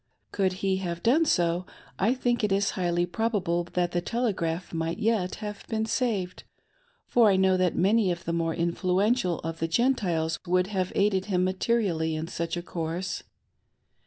Could h^ have done so, I think it is highly probable that the Telegraph might yet have been saved, for I know that many of the more influential of the Gentiles would' have aided him materially in such a course.